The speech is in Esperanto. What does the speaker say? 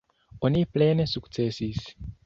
Oni plene sukcesis.